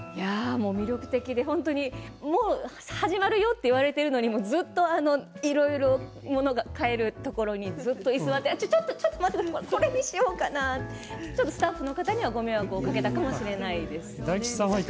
魅力的で始まるよと言われてるのにずっといろいろ物が買えるところにいて、居座ってちょっと待ってこれにしようかなってちょっとスタッフの方にはご迷惑をかけたかもしれないです。